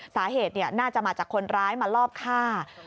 สาเหตุน่าจะมาจากคนร้ายมาลอบฆ่า